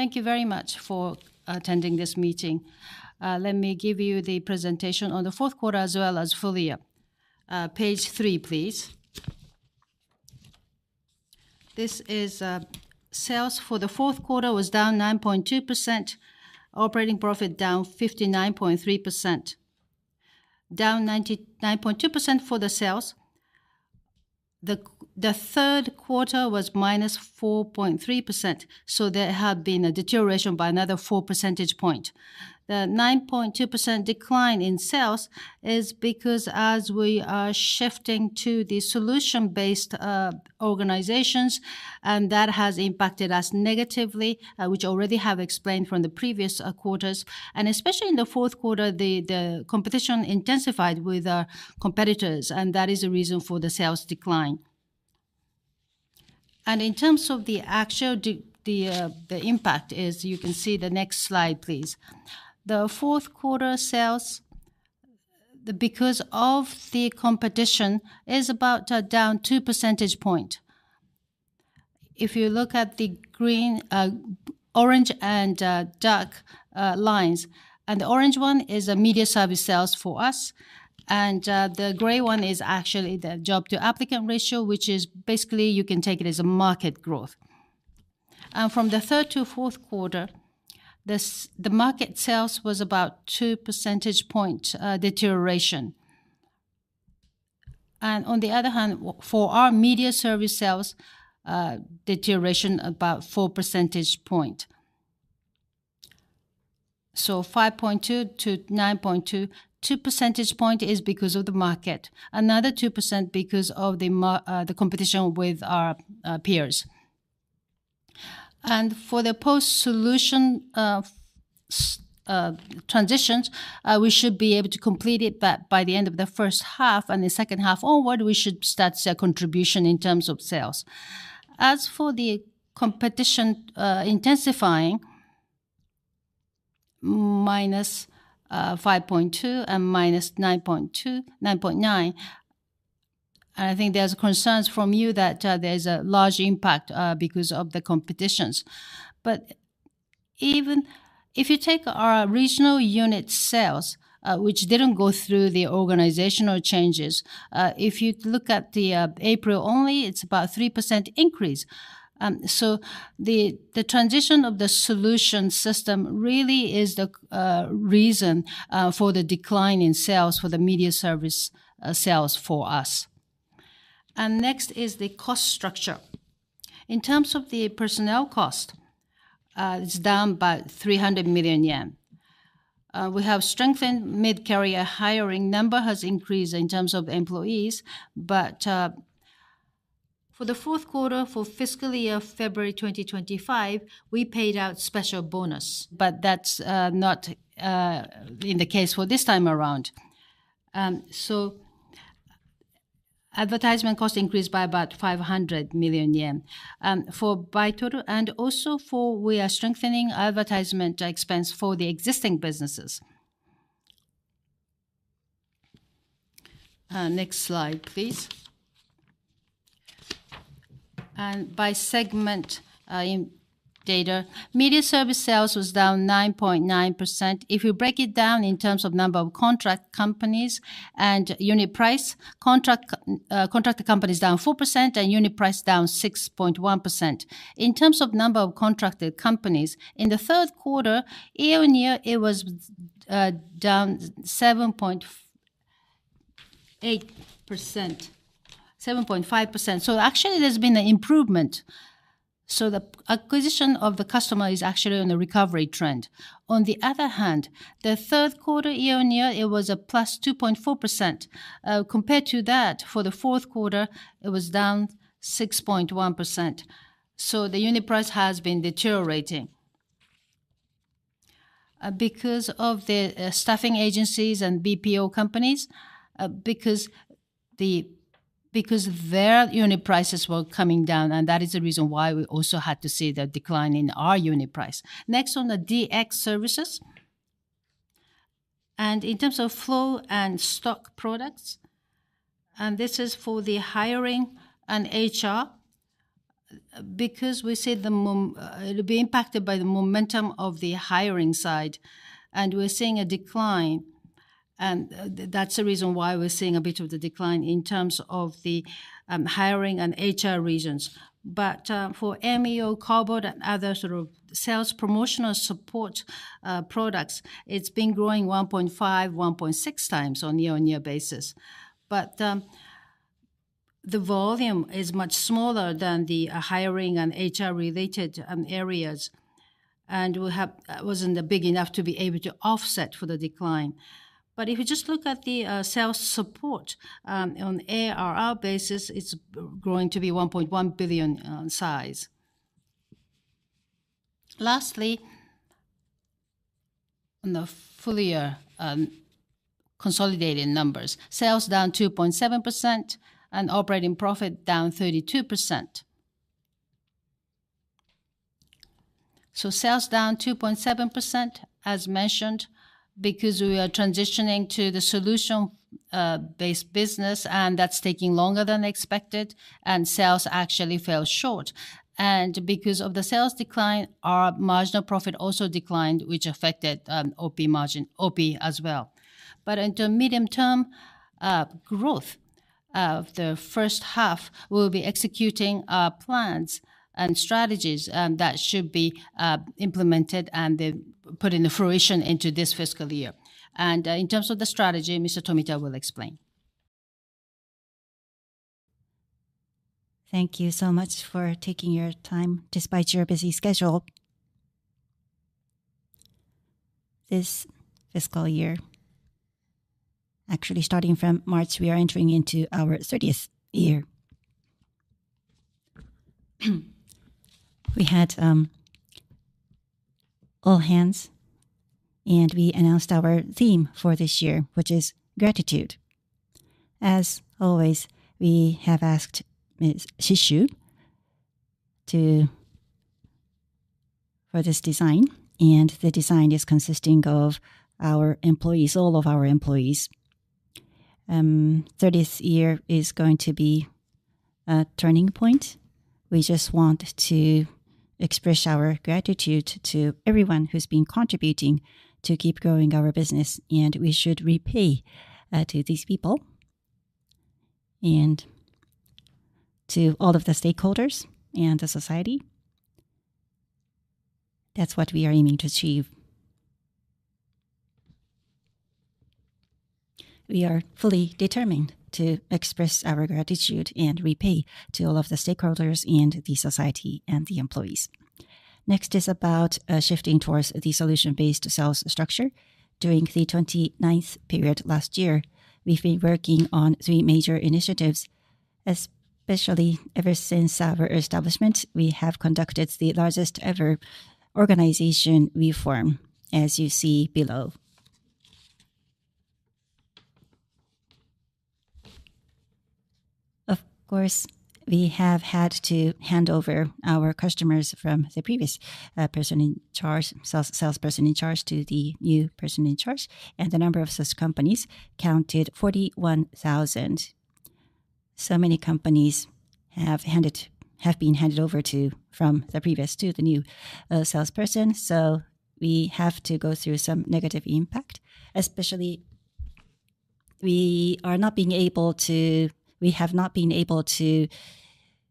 Thank you very much for attending this meeting. Let me give you the presentation on the fourth quarter as well as full year. Page three, please. This is, sales for the fourtth quarter was down 9.2%. Operating profit down 59.3%. Down 99.2% for the sales. The third quarter was minus 4.3%, there have been a deterioration by another four percentage points. The 9.2% decline in sales is because as we are shifting to the solution-based organizations, that has impacted us negatively, which I already have explained from the previous quarters. Especially in the 4th quarter, the competition intensified with our competitors, that is the reason for the sales decline. In terms of the actual impact is, you can see the next slide, please. The fourth quarter sales, because of the competition, is about down two percentage point. If you look at the green, orange, and dark lines. The orange one is media service sales for us, and the gray one is actually the job-to-applicant ratio, which is basically you can take it as a market growth. From the third to fourth quarter, the market sales was about two percentage point deterioration. On the other hand, for our media service sales, deterioration about four percentage point. So 5.2 to 9.2 percentage point is because of the market. Another 2% because of the competition with our peers. For the post-solution transitions, we should be able to complete it by the end of the first half, and the second half onward, we should start to see a contribution in terms of sales. As for the competition intensifying, -5.2 and -9.9. I think there's concerns from you that there is a large impact because of the competitions. Even if you take our regional unit sales, which didn't go through the organizational changes, if you look at the April only, it's about 3% increase. The transition of the solution system really is the reason for the decline in sales for the media service sales for us. Next is the cost structure. In terms of the personnel cost, it's down by 300 million yen. We have strengthened mid-career hiring. Number has increased in terms of employees. For the fourth quarter for fiscal year February 2025, we paid out special bonus. That's not in the case for this time around. Advertisement cost increased by about 500 million yen. For Baitoru and also we are strengthening advertisement expense for the existing businesses. Next slide please. By segment, in data, media service sales was down 9.9%. If you break it down in terms of number of contract companies and unit price, contracted companies down 4% and unit price down 6.1%. In terms of number of contracted companies, in the third quarter, year-on-year it was down 7.5%. Actually there's been an improvement. The acquisition of the customer is actually on a recovery trend. On the other hand, the third quarter year-on-year it was a +2.4%. Compared to that, for the fourth quarter, it was down 6.1%. The unit price has been deteriorating. Because of the staffing agencies and BPO companies, because their unit prices were coming down, and that is the reason why we also had to see the decline in our unit price. Next, on the DX services. In terms of flow and stock products, this is for the hiring and HR, because we see it'll be impacted by the momentum of the hiring side, and we're seeing a decline. That's the reason why we're seeing a bit of the decline in terms of the hiring and HR regions. For MEO KOBOT and other sort of sales promotional support products, it's been growing 1.5x, 1.6x on year-on-year basis. The volume is much smaller than the hiring and HR related areas, and wasn't big enough to be able to offset for the decline. If you just look at the sales support on ARR basis, it's growing to be 1.1 billion size. Lastly, on the full year, consolidated numbers. Sales down 2.7% and operating profit down 32%. Sales down 2.7%, as mentioned, because we are transitioning to the solution based business, and that's taking longer than expected, and sales actually fell short. Because of the sales decline, our marginal profit also declined, which affected OP margin, OP as well. In the medium term, growth of the first half, we'll be executing our plans and strategies that should be implemented and then put into fruition into this fiscal year. In terms of the strategy, Mr. Tomita will explain. Thank you so much for taking your time despite your busy schedule. This fiscal year, actually starting from March, we are entering into our 30th year. We had all hands, and we announced our theme for this year, which is gratitude. As always, we have asked Ms. Sisyu for this design, and the design is consisting of our employees. 30th year is going to be a turning point. We just want to express our gratitude to everyone who's been contributing to keep growing our business. We should repay to these people and to all of the stakeholders and the society. That's what we are aiming to achieve. We are fully determined to express our gratitude and repay to all of the stakeholders and the society and the employees. Next is about shifting towards the solution-based sales structure. During the 29th period last year, we've been working on three major initiatives, especially ever since our establishment, we have conducted the largest ever organization reform, as you see below. Of course, we have had to hand over our customers from the previous person in charge, salesperson in charge to the new person in charge, and the number of such companies counted 41,000. Many companies have been handed over from the previous to the new salesperson, so we have to go through some negative impact. Especially, we have not been able to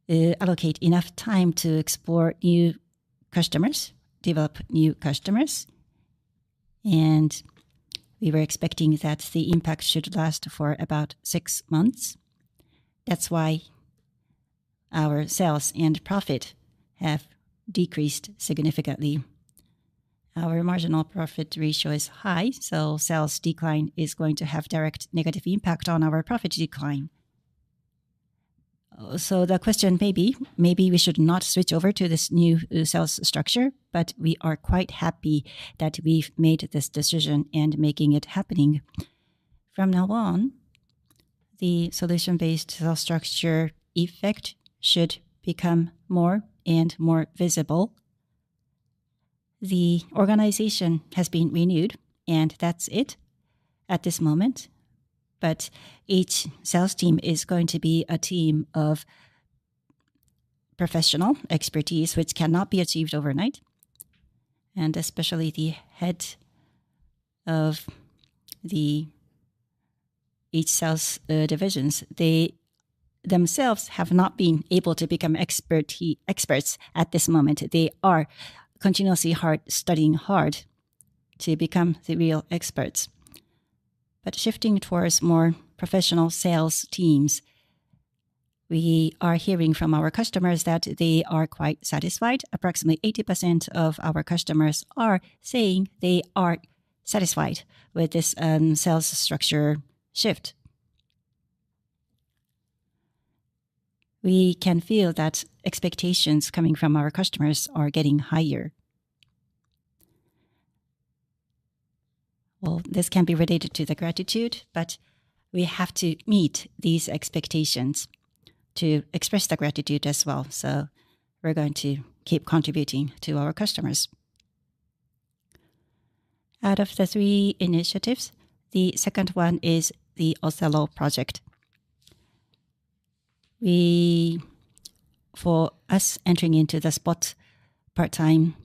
allocate enough time to explore new customers, develop new customers, and we were expecting that the impact should last for about six months. That's why our sales and profit have decreased significantly. Our marginal profit ratio is high. Sales decline is going to have direct negative impact on our profit decline. The question may be, maybe we should not switch over to this new sales structure, but we are quite happy that we've made this decision and making it happening. From now on, the solution-based sales structure effect should become more and more visible. The organization has been renewed, and that's it at this moment. Each sales team is going to be a team of professional expertise, which cannot be achieved overnight. Especially the head of the each sales divisions, they themselves have not been able to become experts at this moment. They are continuously hard, studying hard to become the real experts. Shifting towards more professional sales teams, we are hearing from our customers that they are quite satisfied. Approximately 80% of our customers are saying they are satisfied with this sales structure shift. We can feel that expectations coming from our customers are getting higher. Well, this can be related to the gratitude, we have to meet these expectations to express the gratitude as well. We're going to keep contributing to our customers. Out of the three initiatives, the second one is the Othello Project. For us entering into the spot part-time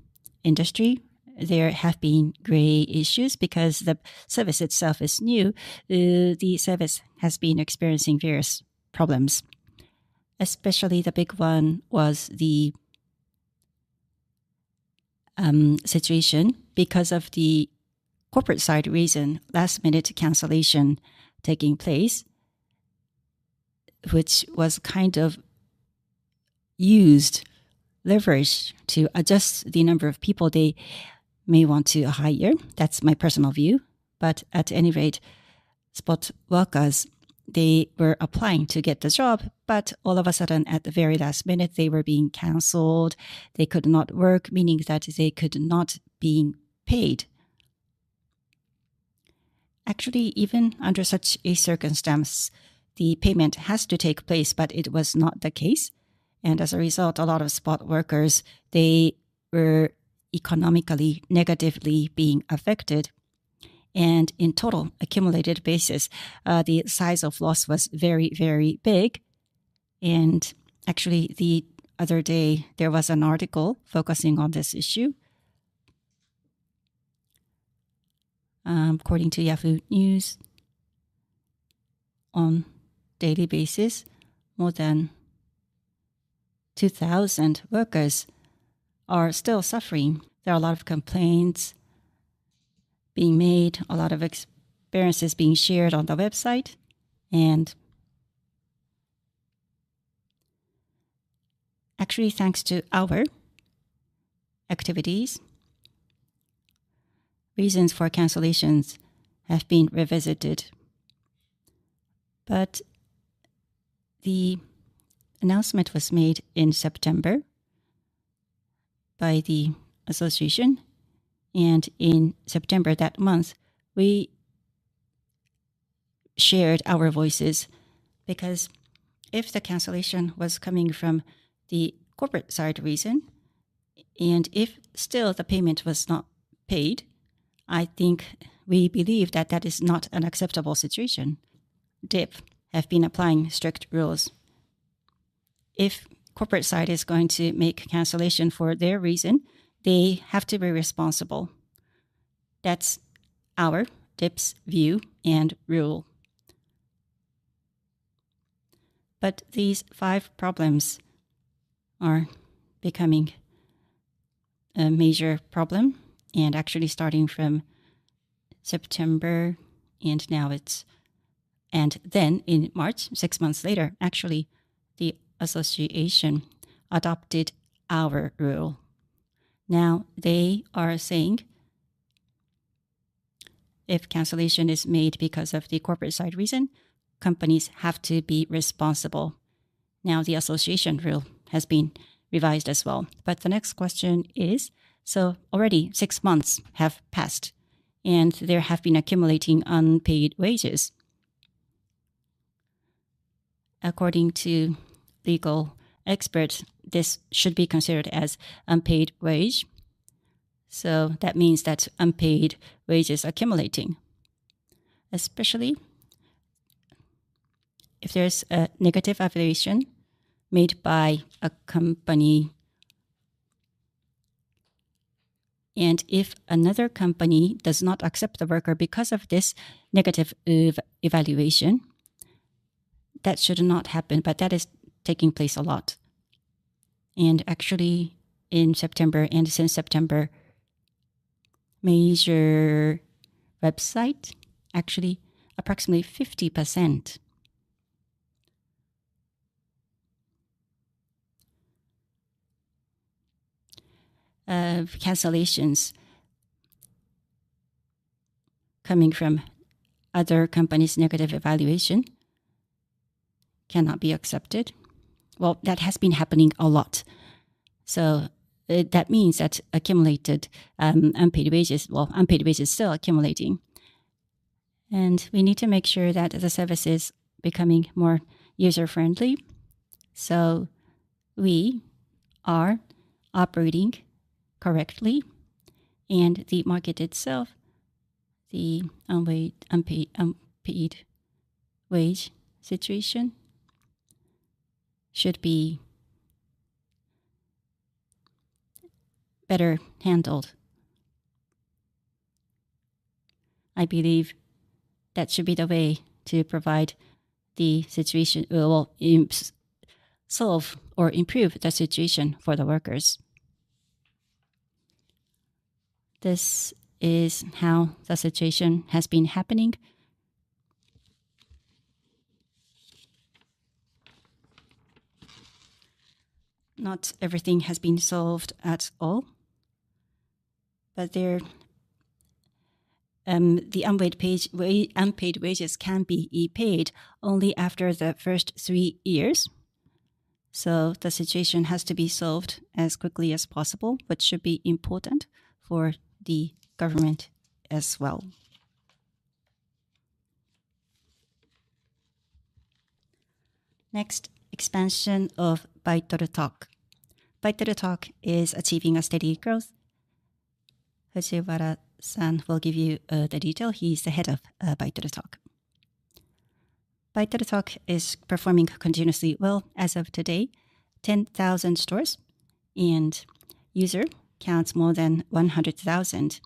industry, there have been gray issues because the service itself is new. The service has been experiencing various problems, especially the big one was the situation because of the corporate side reason, last minute cancellation taking place, which was kind of used leverage to adjust the number of people they may want to hire. That's my personal view. At any rate, spot workers, they were applying to get this job, but all of a sudden at the very last minute, they were being canceled. They could not work, meaning that they could not be paid. Actually, even under such a circumstance, the payment has to take place, but it was not the case. As a result, a lot of spot workers, they were economically negatively being affected. In total accumulated basis, the size of loss was very, very big. Actually, the other day, there was an article focusing on this issue. According to Yahoo News, on daily basis, more than 2,000 workers are still suffering. There are a lot of complaints being made, a lot of experiences being shared on the website. Actually, thanks to our activities, reasons for cancellations have been revisited. The announcement was made in September by the association, and in September that month, we shared our voices because if the cancellation was coming from the corporate side reason, and if still the payment was not paid, I think we believe that that is not an acceptable situation. DIP have been applying strict rules. If corporate side is going to make cancellation for their reason, they have to be responsible. That's our DIP's view and rule. These five problems are becoming a major problem, and actually starting from September. In March, six months later, actually, the association adopted our rule. Now they are saying if cancellation is made because of the corporate side reason, companies have to be responsible. Now the association rule has been revised as well. The next question is, already six months have passed, and there have been accumulating unpaid wages. According to legal experts, this should be considered as unpaid wage. That means that unpaid wage is accumulating, especially if there's a negative evaluation made by a company. If another company does not accept the worker because of this negative evaluation, that should not happen, but that is taking place a lot. Actually, in September and since September, major website, actually approximately 50% of cancellations coming from other companies' negative evaluation cannot be accepted. Well, that has been happening a lot. That means that accumulated unpaid wage is still accumulating. We need to make sure that the service is becoming more user-friendly, so we are operating correctly and the market itself, the unpaid wage situation should be better handled. I believe that should be the way to provide the situation, well, solve or improve the situation for the workers. This is how the situation has been happening. Not everything has been solved at all, but there, the unpaid wages can be paid only after the first three years. The situation has to be solved as quickly as possible, which should be important for the government as well. Next, expansion of Baitoru talk. Baitoru talk is achieving a steady growth. Hoshiwara-san will give you the detail. He's the head of Baitoru talk. Baitoru talk is performing continuously well. As of today, 10,000 stores and user counts more than 100,000.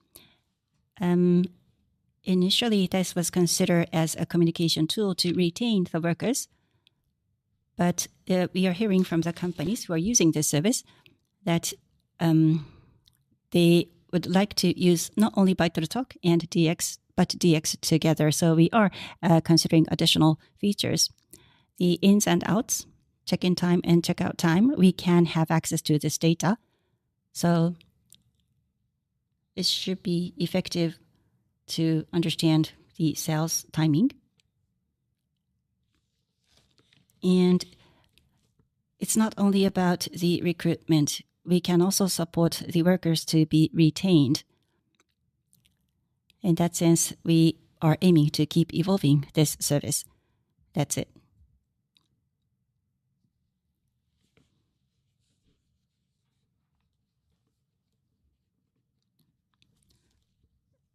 Initially, this was considered as a communication tool to retain the workers. We are hearing from the companies who are using this service that they would like to use not only Baitoru talk and DX, but DX together. We are considering additional features. The ins and outs, check-in time and check-out time, we can have access to this data, so it should be effective to understand the sales timing. It's not only about the recruitment. We can also support the workers to be retained. In that sense, we are aiming to keep evolving this service. That's it.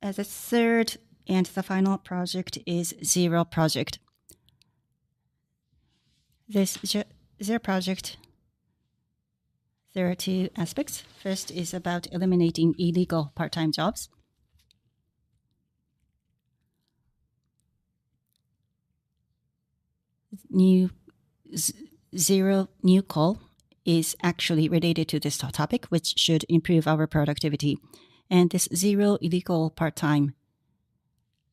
As a third and the final project is Zero Project. This Zero Project, there are two aspects. First is about eliminating illegal part-time jobs. New Zero new call is actually related to this topic, which should improve our productivity and this Zero illegal part-time.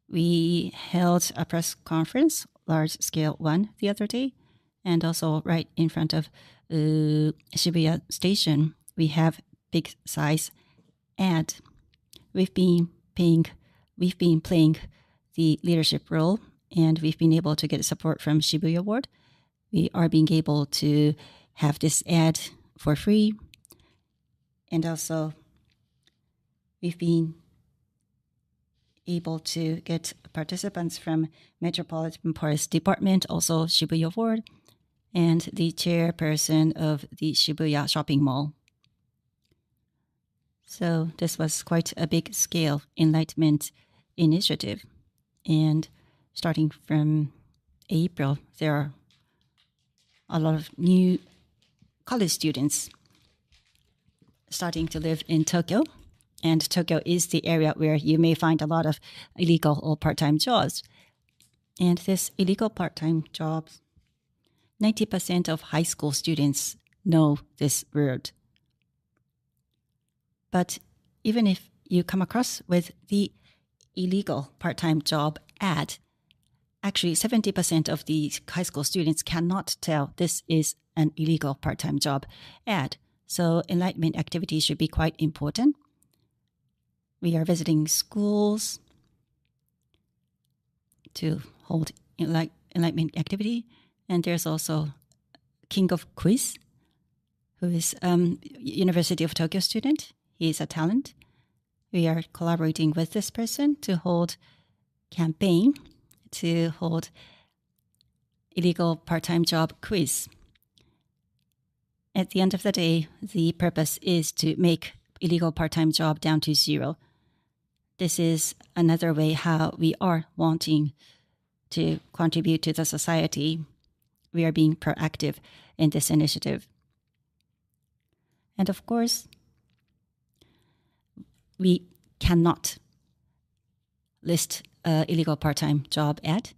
We held a press conference, large-scale one the other day, also right in front of Shibuya Station, we have big-size ad. We've been playing the leadership role, we've been able to get support from Shibuya Ward. We are being able to have this ad for free, also we've been able to get participants from Metropolitan Police Department, also Shibuya Ward, and the chairperson of the Shibuya shopping mall. This was quite a big-scale enlightenment initiative. Starting from April, there are a lot of new college students starting to live in Tokyo is the area where you may find a lot of illegal or part-time jobs. This illegal part-time jobs, 90% of high school students know this word. Even if you come across with the illegal part-time job ad, actually 70% of the high school students cannot tell this is an illegal part-time job ad. Enlightenment activity should be quite important. We are visiting schools to hold enlightenment activity, there's also King of Quiz, who is University of Tokyo student. He's a talent. We are collaborating with this person to hold campaign to hold illegal part-time job quiz. At the end of the day, the purpose is to make illegal part-time job down to zero. This is another way how we are wanting to contribute to the society. We are being proactive in this initiative. Of course, we cannot list illegal part-time job ad.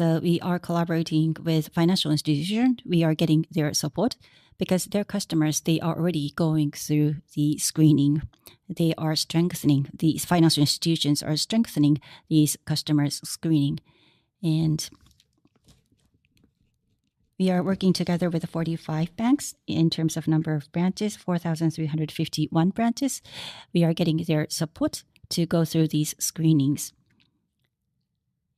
We are collaborating with financial institution. We are getting their support because their customers, they are already going through the screening. These financial institutions are strengthening these customers' screening. We are working together with 45 banks in terms of number of branches, 4,351 branches. We are getting their support to go through these screenings.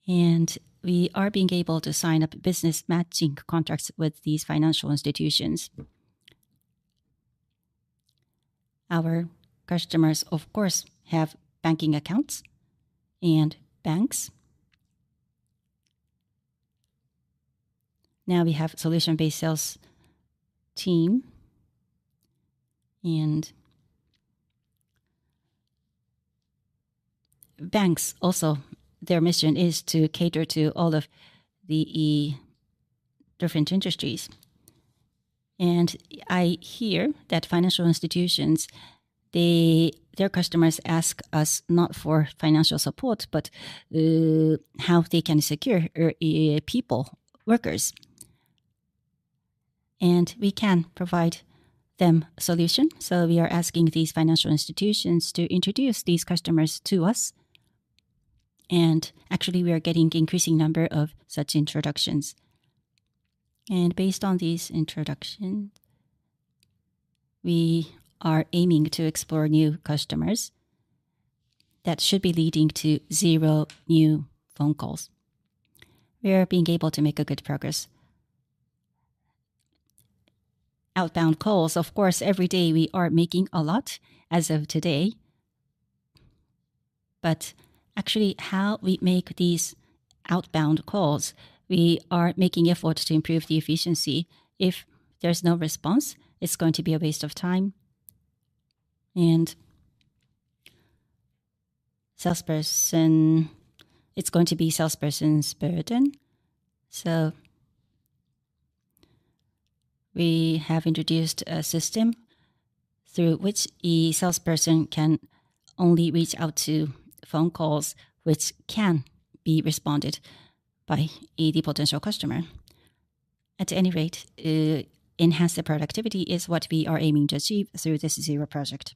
We are being able to sign up business matching contracts with these financial institutions. Our customers, of course, have banking accounts and banks. Now we have solution-based sales team and banks also, their mission is to cater to all of the different industries. I hear that financial institutions, their customers ask us not for financial support, but how they can secure people, workers. We can provide them solution. We are asking these financial institutions to introduce these customers to us. Actually we are getting increasing number of such introductions. Based on this introduction, we are aiming to explore new customers that should be leading to zero new phone calls. We are being able to make a good progress. Outbound calls, of course, every day we are making a lot as of today. Actually how we make these outbound calls, we are making efforts to improve the efficiency. If there's no response, it's going to be a waste of time and it's going to be salesperson's burden. We have introduced a system through which a salesperson can only reach out to phone calls which can be responded by a potential customer. At any rate, enhanced productivity is what we are aiming to achieve through this Zero Project.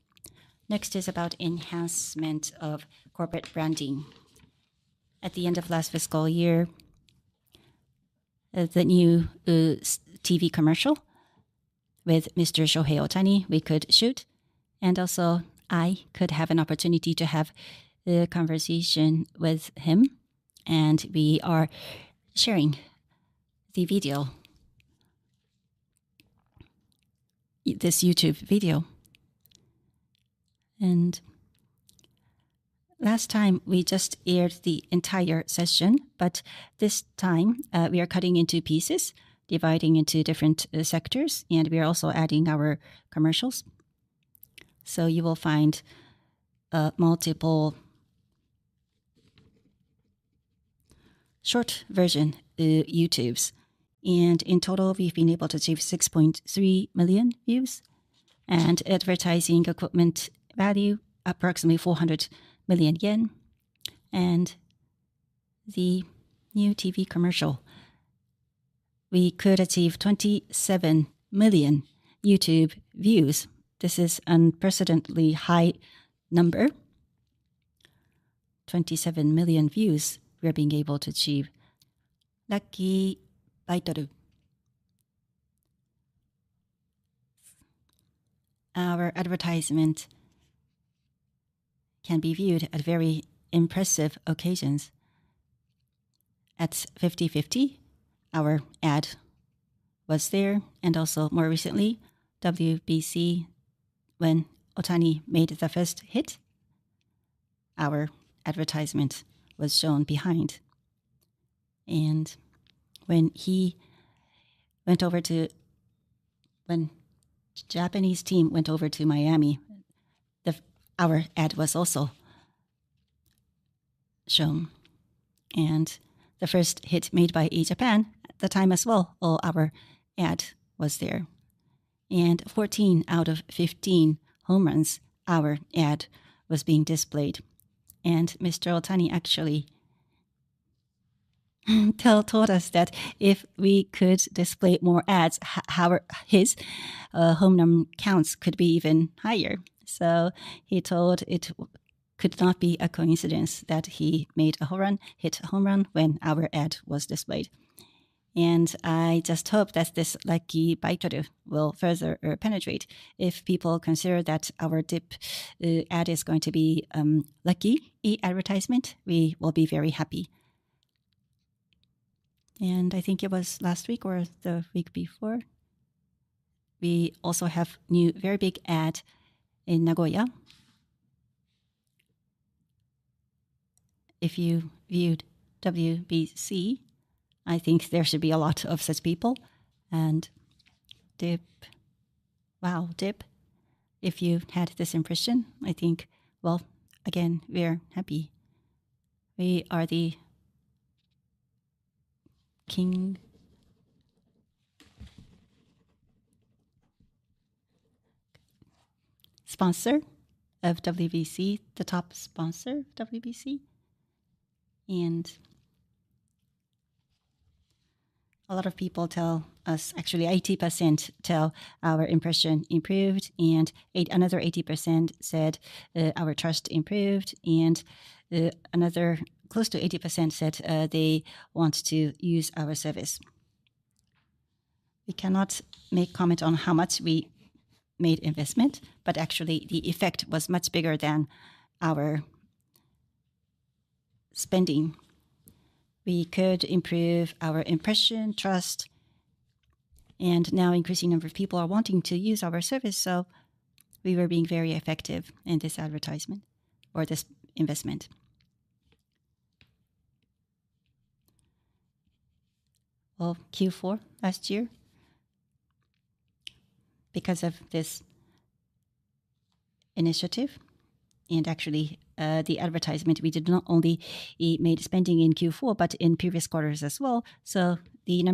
Next is about enhancement of corporate branding. At the end of last fiscal year, the new TV commercial with Mr. Shohei Ohtani we could shoot. Also, I could have an opportunity to have a conversation with him. We are sharing the video, this YouTube video. Last time we just aired the entire session. This time, we are cutting into pieces, dividing into different sectors. We are also adding our commercials. You will find multiple short version YouTubes. In total, we've been able to achieve 6.3 million views and advertising equipment value approximately 400 million yen. The new TV commercial, we could achieve 27 million YouTube views. This is unprecedentedly high number. 27 million views we are being able to achieve. Lucky Baitoru. Our advertisement can be viewed at very impressive occasions. At 50/50, our ad was there, also more recently, WBC, when Ohtani made the first hit, our advertisement was shown behind. When Japanese team went over to Miami, our ad was also shown. The first hit made by E Japan at the time as well, all our ad was there. 14 out of 15 home runs, our ad was being displayed. Mr. Ohtani actually told us that if we could display more ads, how his home run counts could be even higher. He told it could not be a coincidence that he made a home run, hit a home run when our ad was displayed. I just hope that this lucky Baitoru will further penetrate. If people consider that our DIP ad is going to be lucky E advertisement, we will be very happy. I think it was last week or the week before, we also have new very big ad in Nagoya. If you viewed WBC, I think there should be a lot of such people. DIP Wow DIP if you've had this impression, I think, well, again, we're happy. We are the king sponsor of WBC, the top sponsor of WBC. A lot of people tell us, actually 80% tell our impression improved, another 80% said our trust improved, and another close to 80% said they want to use our service. We cannot make comment on how much we made investment, but actually the effect was much bigger than our spending. We could improve our impression, trust. Now increasing number of people are wanting to use our service. We were being very effective in this advertisement or this investment. Q4 last year, because of this initiative and actually, the advertisement, we did not only made spending in Q4, but in previous quarters as well. The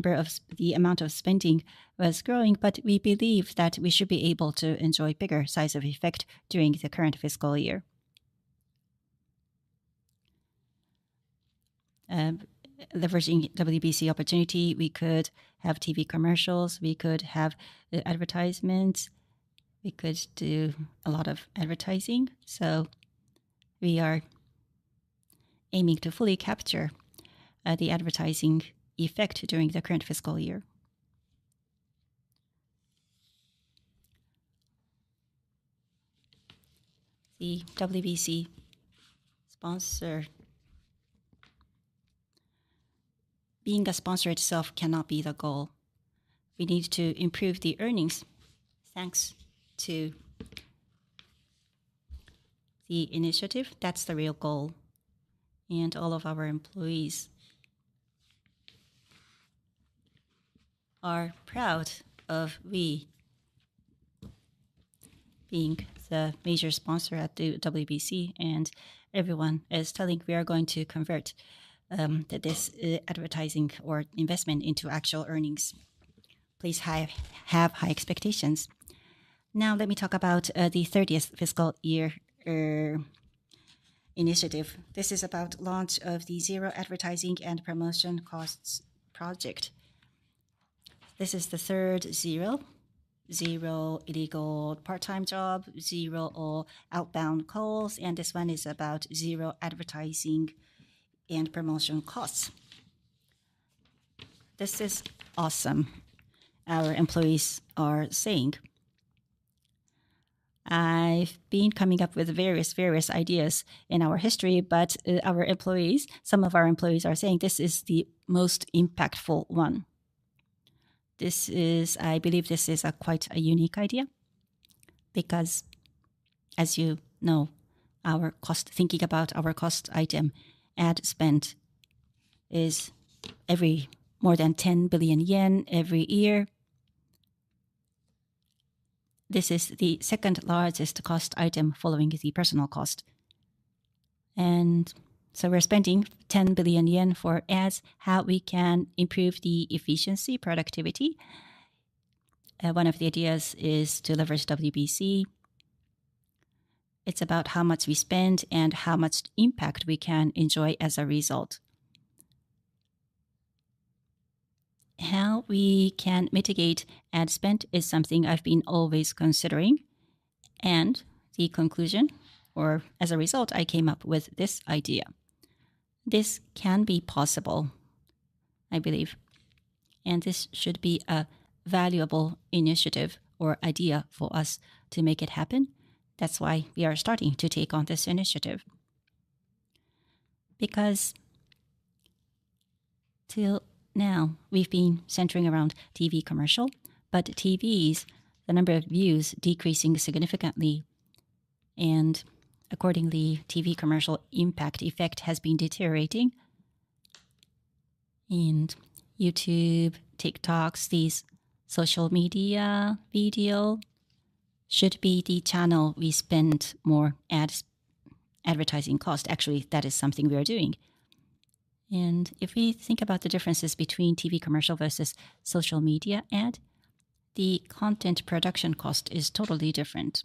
amount of spending was growing. We believe that we should be able to enjoy bigger size of effect during the current fiscal year. Leveraging WBC opportunity, we could have TV commercials, we could have advertisements, we could do a lot of advertising. We are aiming to fully capture the advertising effect during the current fiscal year. The WBC sponsor being a sponsor itself cannot be the goal. We need to improve the earnings. Thanks to the initiative, that's the real goal. All of our employees are proud of we being the major sponsor at the WBC, everyone is telling we are going to convert this advertising or investment into actual earnings. Please have high expectations. Let me talk about the 30th fiscal year initiative. This is about launch of the Zero Advertising and Promotion Costs Project. This is the third zero. Zero illegal part-time job, zero all outbound calls, this one is about Zero Advertising and Promotion Costs. "This is awesome," our employees are saying. I've been coming up with various ideas in our history, our employees, some of our employees are saying this is the most impactful one. I believe this is a quite a unique idea because as you know, our cost, thinking about our cost item ad spend is more than 10 billion yen every year. This is the second-largest cost item following the personal cost. We're spending 10 billion yen for ads. How we can improve the efficiency, productivity? One of the ideas is to leverage WBC. It's about how much we spend and how much impact we can enjoy as a result. How we can mitigate ad spend is something I've been always considering, and the conclusion, or as a result, I came up with this idea. This can be possible, I believe, and this should be a valuable initiative or idea for us to make it happen. That's why we are starting to take on this initiative. Because till now we've been centering around TV commercial, but TVs, the number of views decreasing significantly, and accordingly, TV commercial impact effect has been deteriorating. YouTube, TikTok, these social media video should be the channel we spend more ads, advertising cost. Actually, that is something we are doing. If we think about the differences between TV commercial versus social media ad, the content production cost is totally different.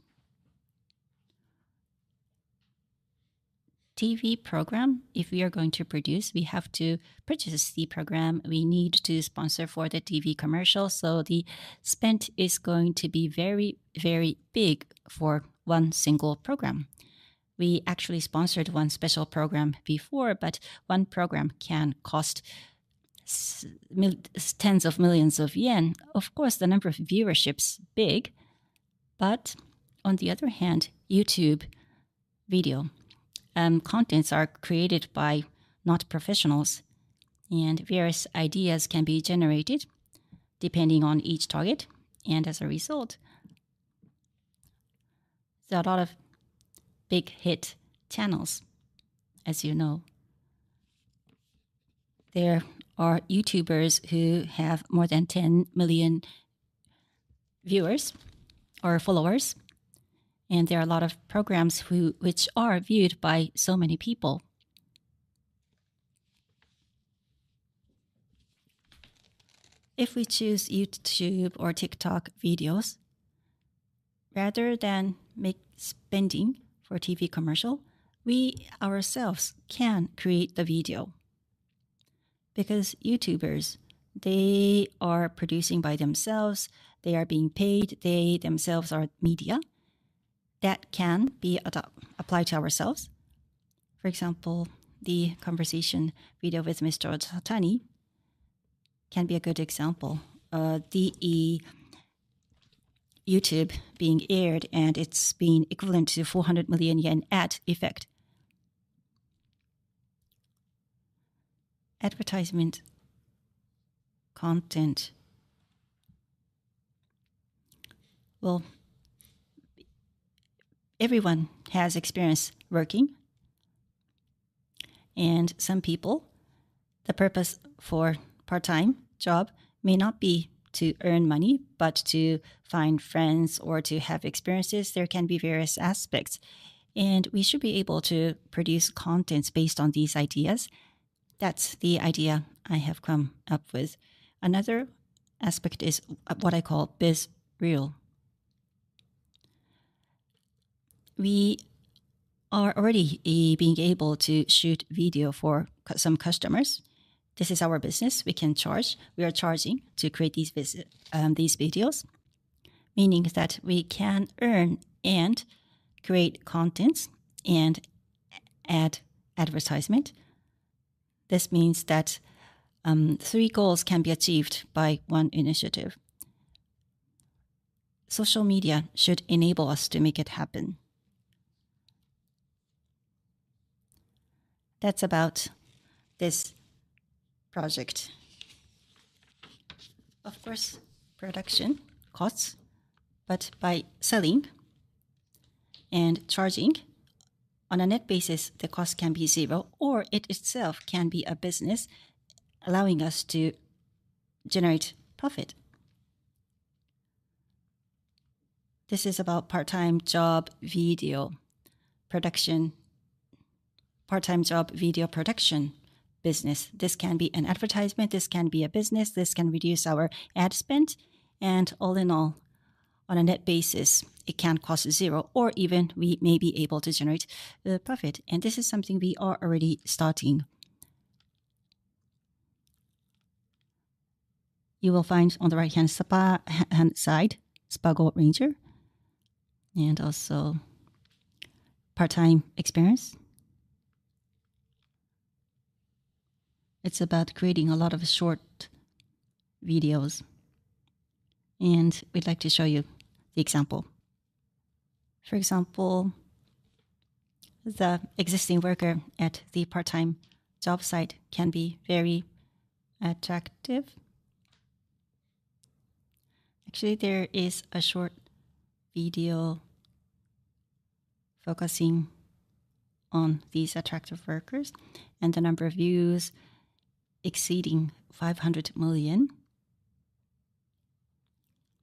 TV program, if we are going to produce, we have to purchase the program. We need to sponsor for the TV commercial, so the spend is going to be very, very big for one single program. We actually sponsored one special program before, but one program can cost tens of millions of JPY. Of course, the number of viewership's big. On the other hand, YouTube video contents are created by not professionals, and various ideas can be generated depending on each target, and as a result, there are a lot of big hit channels, as you know. There are YouTubers who have more than 10 million viewers or followers, and there are a lot of programs which are viewed by so many people. If we choose YouTube or TikTok videos, rather than make spending for TV commercial, we ourselves can create the video because YouTubers, they are producing by themselves. They are being paid. They themselves are media. That can be applied to ourselves. For example, the conversation video with Mr. Otani can be a good example. The YouTube being aired and it's been equivalent to 400 million yen ad effect. Advertisement content. Well, everyone has experience working and some people, the purpose for part-time job may not be to earn money, but to find friends or to have experiences. There can be various aspects, and we should be able to produce contents based on these ideas. That's the idea I have come up with. Another aspect is what I call BizReel. We are already being able to shoot video for some customers. This is our business. We can charge. We are charging to create these videos, meaning that we can earn and create contents and add advertisement. This means that three goals can be achieved by one initiative. Social media should enable us to make it happen. That's about this project. Of course, production costs. By selling and charging on a net basis, the cost can be zero or it itself can be a business allowing us to generate profit. This is about part-time job video production, part-time job video production business. This can be an advertisement. This can be a business. This can reduce our ad spend. All in all, on a net basis, it can cost zero or even we may be able to generate the profit, and this is something we are already starting. You will find on the right-hand side, SpaGo Ranger and also part-time experience. It's about creating a lot of short videos, and we'd like to show you the example. For example, the existing worker at the part-time job site can be very attractive. Actually, there is a short video focusing on these attractive workers and the number of views exceeding 500 million.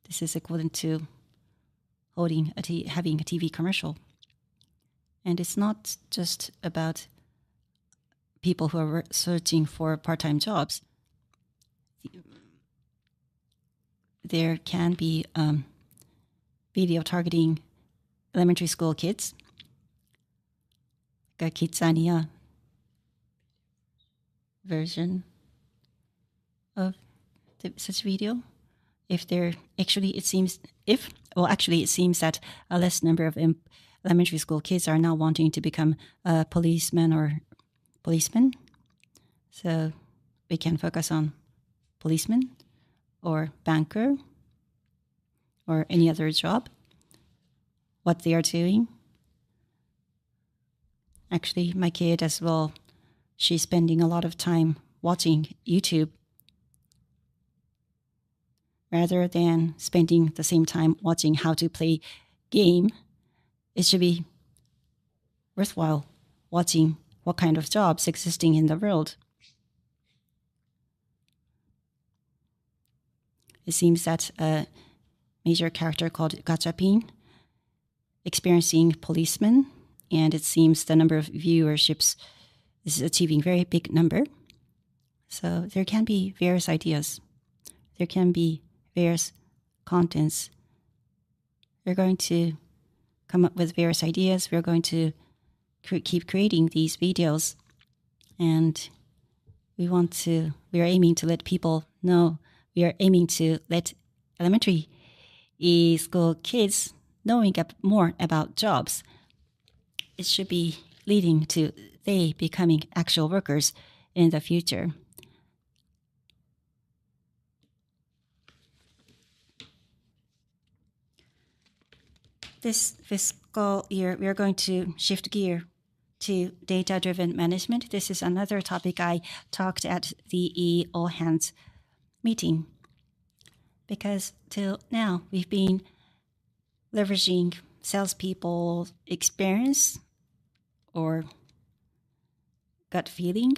This is equivalent to having a TV commercial. It's not just about people who are searching for part-time jobs. There can be video targeting elementary school kids, the KidZania version of this video. Well, actually, it seems that a less number of elementary school kids are now wanting to become policemen. We can focus on policemen or banker or any other job, what they are doing. Actually, my kid as well, she's spending a lot of time watching YouTube. Rather than spending the same time watching how to play game, it should be worthwhile watching what kind of jobs existing in the world. It seems that a major character called Gachapin experiencing policemen, it seems the number of viewerships is achieving very big number. There can be various ideas. There can be various contents. We're going to come up with various ideas. We're going to keep creating these videos, we are aiming to let people know. We are aiming to let elementary school kids knowing more about jobs. It should be leading to they becoming actual workers in the future. This fiscal year, we are going to shift gear to data-driven management. This is another topic I talked at the all hands meeting, till now, we've been leveraging salespeople experience or gut feeling.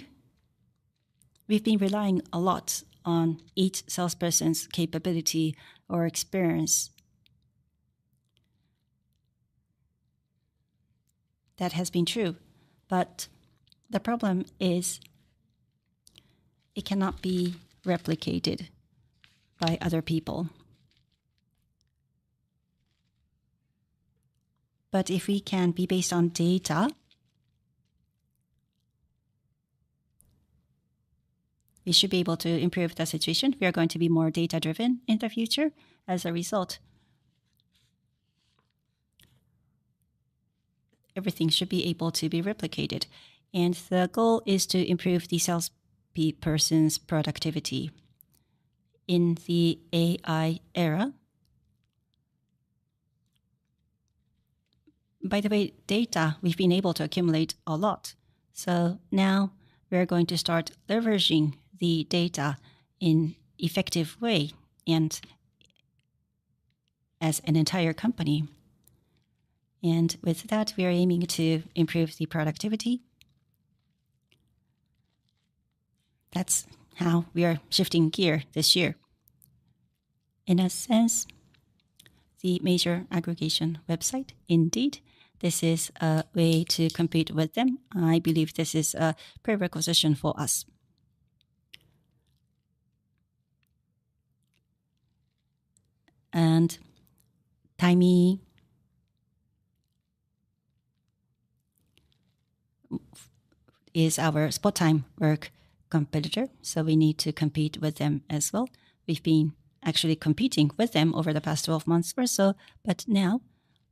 We've been relying a lot on each salesperson's capability or experience. That has been true, the problem is it cannot be replicated by other people. If we can be based on data, we should be able to improve the situation. We are going to be more data-driven in the future as a result. Everything should be able to be replicated, and the goal is to improve the sales person's productivity in the AI era. By the way, data, we've been able to accumulate a lot. Now we are going to start leveraging the data in effective way and as an entire company. With that, we are aiming to improve the productivity. That's how we are shifting gear this year. In a sense, the major aggregation website, Indeed, this is a way to compete with them. I believe this is a pre-requisite for us. is our spot-time work competitor, so we need to compete with them as well. We've been actually competing with them over the past 12 months or so. Now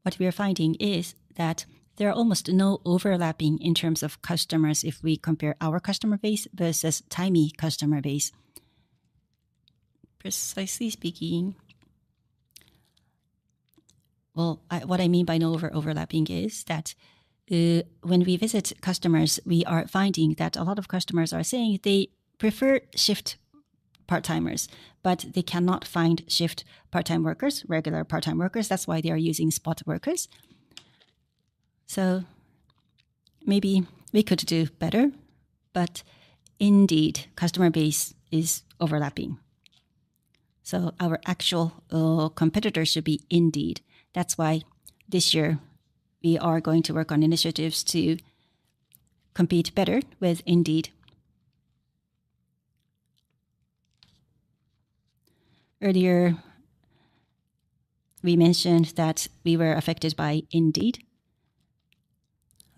what we are finding is that there are almost no overlapping in terms of customers if we compare our customer base versus Timee customer base. Precisely speaking Well, I mean by no overlapping is that when we visit customers, we are finding that a lot of customers are saying they prefer shift part-timers, They cannot find shift part-time workers, regular part-time workers. That's why they are using spot workers. Maybe we could do better, Indeed customer base is overlapping. Our actual competitor should be Indeed. That's why this year we are going to work on initiatives to compete better with Indeed. Earlier, we mentioned that we were affected by Indeed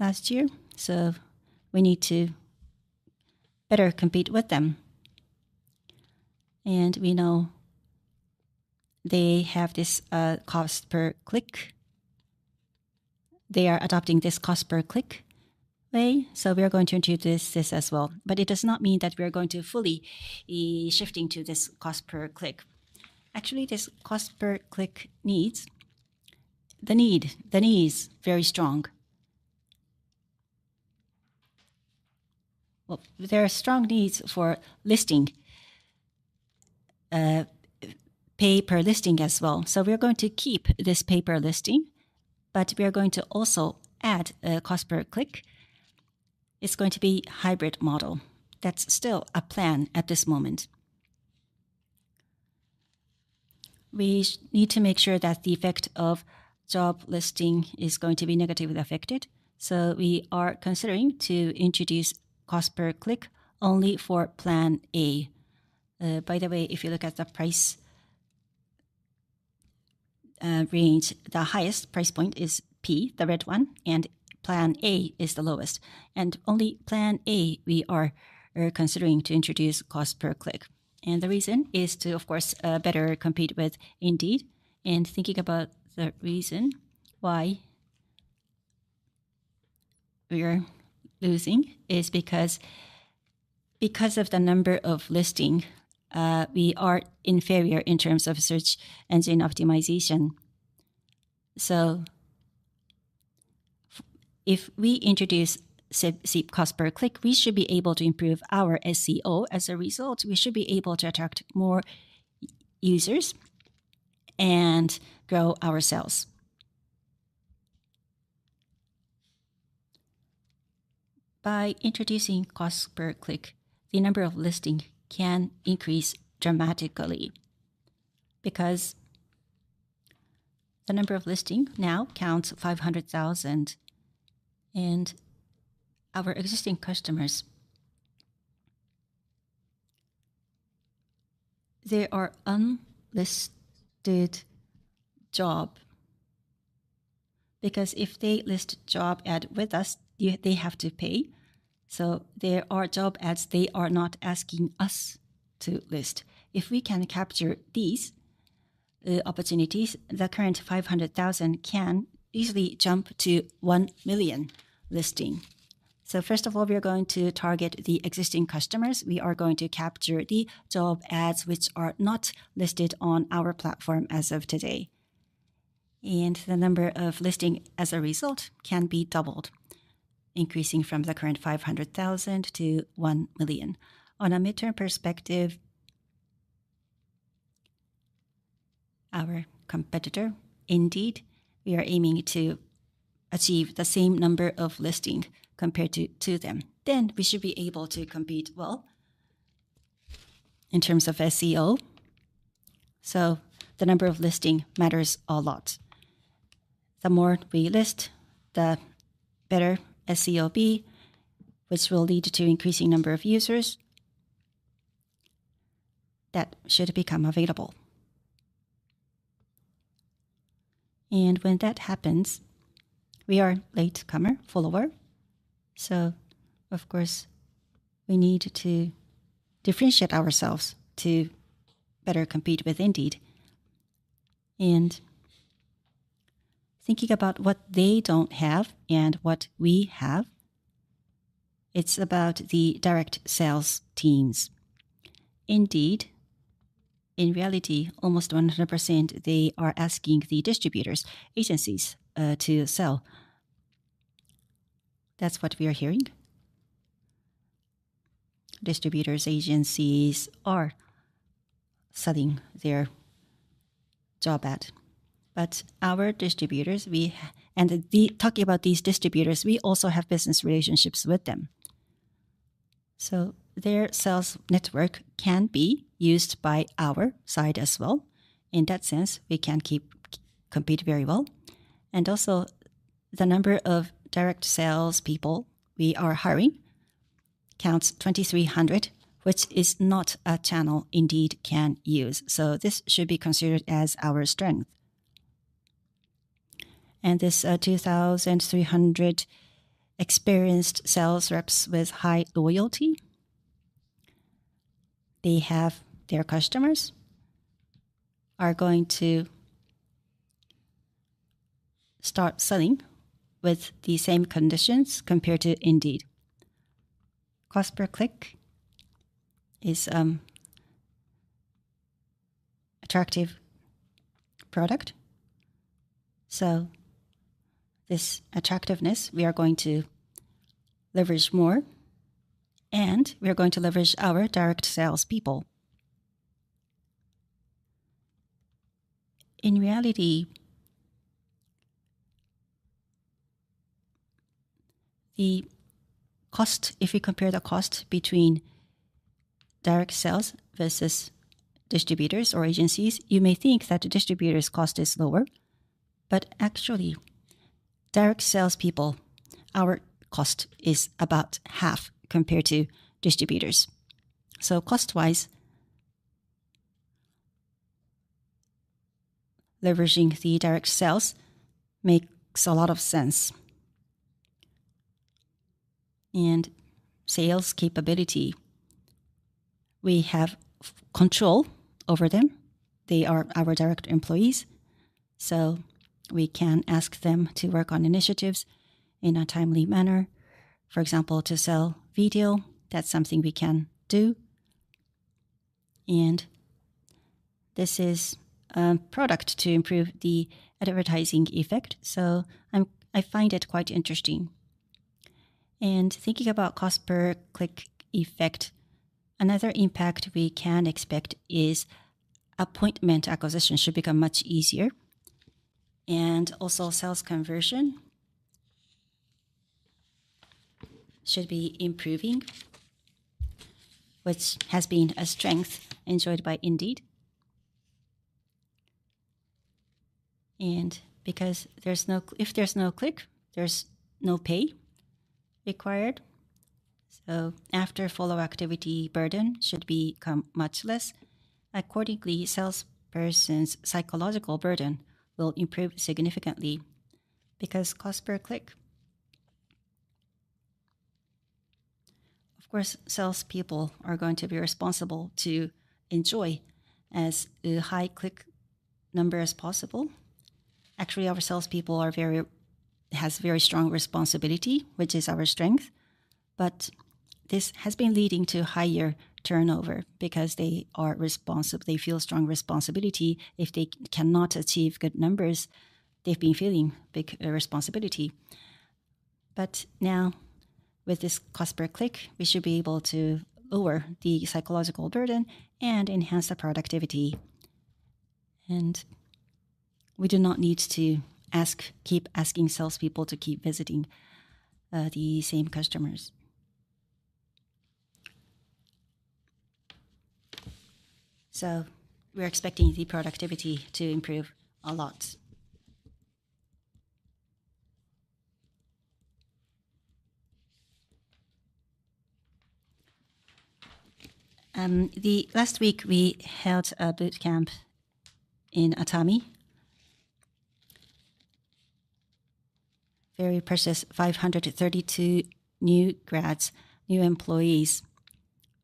last year. We need to better compete with them. We know they have this cost per click. They are adopting this cost per click way. We are going to introduce this as well. It does not mean that we are going to fully shifting to this cost per click. Actually, this cost per click need is very strong. Well, there are strong needs for listing, pay-per-listing as well. We are going to keep this pay-per-listing. We are going to also add a cost per click. It's going to be hybrid model. That's still a plan at this moment. We need to make sure that the effect of job listing is going to be negatively affected, so we are considering to introduce cost per click only for plan A. By the way, if you look at the price range, the highest price point is P, the red one, and plan A is the lowest. Only plan A we're considering to introduce cost per click. The reason is to, of course, better compete with Indeed, and thinking about the reason why we are losing is because of the number of listing, we are inferior in terms of Search Engine Optimization. If we introduce cost per click, we should be able to improve our SEO. As a result, we should be able to attract more users and grow our sales. By introducing cost per click, the number of listing can increase dramatically because the number of listing now counts 500,000, and our existing customers, they are unlisted job because if they list job ad with us, they have to pay. There are job ads they are not asking us to list. If we can capture these opportunities, the current 500,000 can easily jump to 1 million listing. First of all, we are going to target the existing customers. We are going to capture the job ads which are not listed on our platform as of today. The number of listing as a result can be doubled, increasing from the current 500,000 to 1 million. On a midterm perspective, our competitor, Indeed, we are aiming to achieve the same number of listing compared to them. We should be able to compete well in terms of SEO. The number of listing matters a lot. The more we list, the better SEO be, which will lead to increasing number of users that should become available. When that happens, we are latecomer, follower, of course we need to differentiate ourselves to better compete with Indeed. Thinking about what they don't have and what we have, it's about the direct sales teams. Indeed, in reality, almost 100% they are asking the distributors, agencies to sell. That's what we are hearing. Distributors, agencies are selling their job ad. Our distributors, talking about these distributors, we also have business relationships with them. Their sales network can be used by our side as well. In that sense, we can keep compete very well. The number of direct salespeople we are hiring counts 2,300, which is not a channel Indeed can use. This should be considered as our strength. This 2,300 experienced sales reps with high loyalty, they have their customers, are going to start selling with the same conditions compared to Indeed. Cost per click is attractive product, this attractiveness we are going to leverage more, we are going to leverage our direct salespeople. In reality, the cost, if you compare the cost between direct sales versus distributors or agencies, you may think that the distributor's cost is lower, but actually direct salespeople, our cost is about half compared to distributors. Cost-wise, leveraging the direct sales makes a lot of sense. Sales capability, we have control over them. They are our direct employees, so we can ask them to work on initiatives in a timely manner. For example, to sell video, that's something we can do. This is a product to improve the advertising effect, so I find it quite interesting. Thinking about cost per click effect, another impact we can expect is appointment acquisition should become much easier. Also sales conversion should be improving, which has been a strength enjoyed by Indeed. Because there's no click, there's no pay required. After follow activity, burden should become much less. Accordingly, salesperson's psychological burden will improve significantly because cost per click. Of course, salespeople are going to be responsible to enjoy as high click number as possible. Actually, our salespeople has very strong responsibility, which is our strength. This has been leading to higher turnover because they feel strong responsibility. If they cannot achieve good numbers, they've been feeling big responsibility. Now, with this cost per click, we should be able to lower the psychological burden and enhance the productivity. We do not need to keep asking salespeople to keep visiting the same customers. We're expecting the productivity to improve a lot. Last week we held a boot camp in Atami. Very precious, 532 new grads, new employees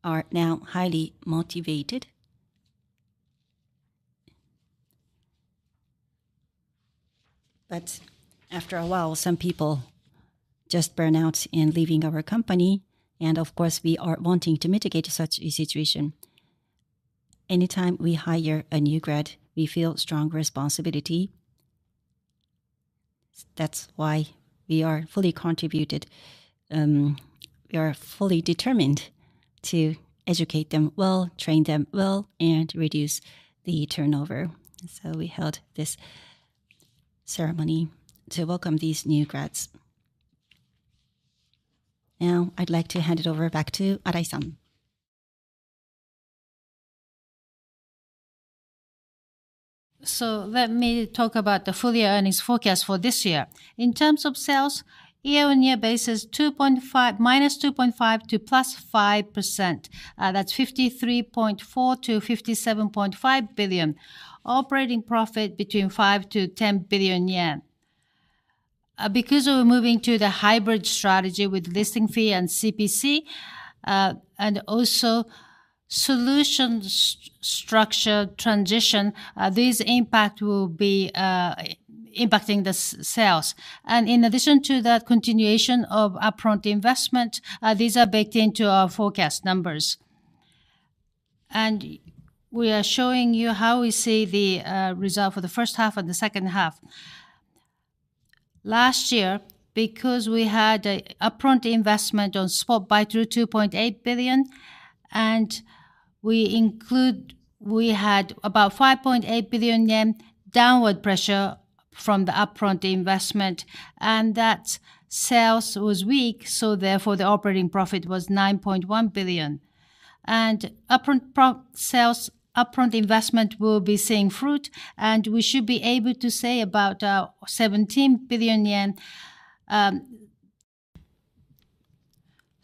are now highly motivated. After a while, some people just burn out and leaving our company. Of course, we are wanting to mitigate such a situation. Anytime we hire a new grad, we feel strong responsibility. That's why we are fully contributed. We are fully determined to educate them well, train them well, and reduce the turnover. We held this ceremony to welcome these new grads. I'd like to hand it over back to Arai-san. Let me talk about the full year earnings forecast for this year. In terms of sales, year-on-year basis,- 2.5% to +5%. That's 53.4 billion to 57.5 billion. Operating profit between 5 billion to 10 billion yen. Because we're moving to the hybrid strategy with listing fee and CPC, and also solutions structure transition, these impact will be impacting the sales. In addition to the continuation of upfront investment, these are baked into our forecast numbers. We are showing you how we see the result for the first half and the second half. Last year, we had an upfront investment on Spot Baitoru 2.8 billion, we had about 5.8 billion yen downward pressure from the upfront investment, that sales was weak, the operating profit was 9.1 billion. Upfront investment will be seeing fruit, we should be able to say about 17 billion yen.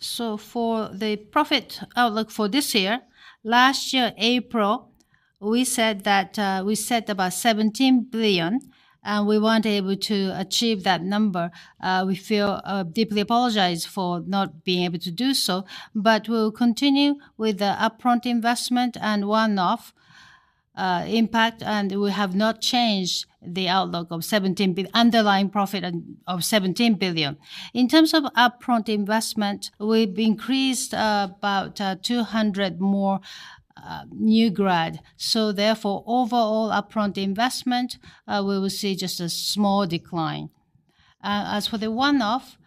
For the profit outlook for this year, last year, April, we said that we set about 17 billion, we weren't able to achieve that number. We feel deeply apologize for not being able to do so. We'll continue with the upfront investment and one-off impact, we have not changed the outlook of underlying profit of 17 billion. In terms of upfront investment, we've increased about 200 more new grad. Overall upfront investment, we will see just a small decline. As for the one-off,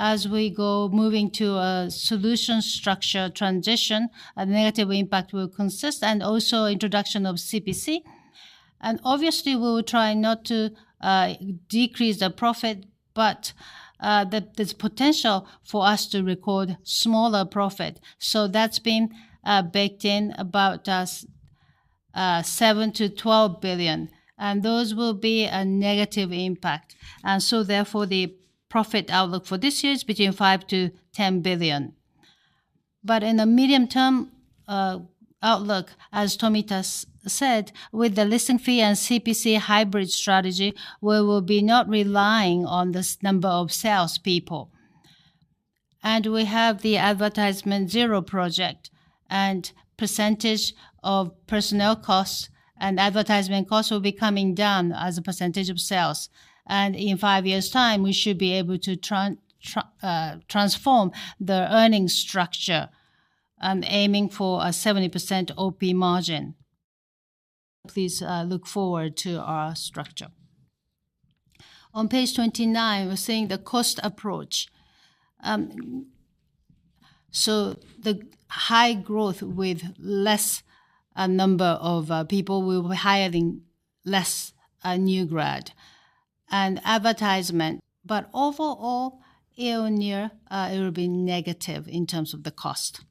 as we go moving to a solution structure transition, a negative impact will consist and also introduction of CPC. Obviously, we will try not to decrease the profit, but there's potential for us to record smaller profit. That's been baked in about 7 billion-12 billion, and those will be a negative impact. The profit outlook for this year is between 5 billion-10 billion. In the medium term outlook, as Tomita said, with the listing fee and CPC hybrid strategy, we will be not relying on this number of salespeople. We have the Zero Advertising and Promotion Costs Project and percentage of personnel costs and advertisement costs will be coming down as a percentage of sales. In five years' time, we should be able to transform the earning structure, aiming for a 70% OP margin. Please look forward to our structure. On page 29, we're seeing the cost approach. The high growth with less number of people. We will be hiring less new grad. Advertisement. Overall, year-over-year, it will be negative in terms of the cost.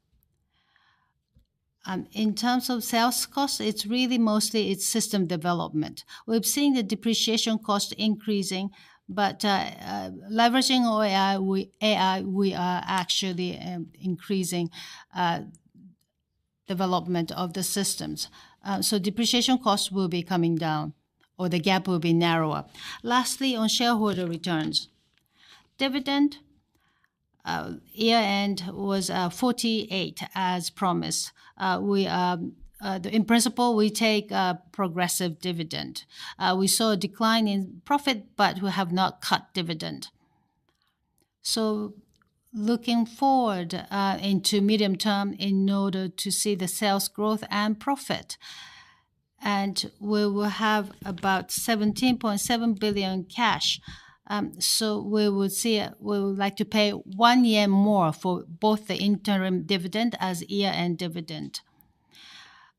In terms of sales cost, it's really mostly it's system development. We've seen the depreciation cost increasing, but leveraging AI, we are actually increasing development of the systems. Depreciation costs will be coming down, or the gap will be narrower. Lastly, on shareholder returns. Dividend year-end was 48, as promised. In principle, we take a progressive dividend. We saw a decline in profit, we have not cut dividend. Looking forward into medium term in order to see the sales growth and profit, we will have about 17.7 billion cash. We would like to pay one year more for both the interim dividend as year-end dividend.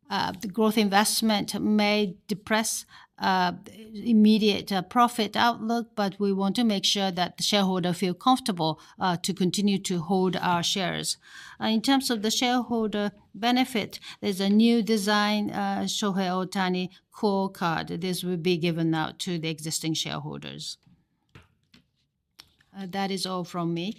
The growth investment may depress immediate profit outlook, we want to make sure that the shareholder feel comfortable to continue to hold our shares. In terms of the shareholder benefit, there's a new design, Shohei Ohtani QUO card. This will be given out to the existing shareholders. That is all from me.